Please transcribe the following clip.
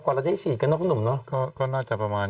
เราจะได้ฉีดกันเนอคุณหนุ่มเนอะก็น่าจะประมาณ